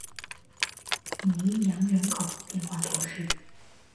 努伊扬人口变化图示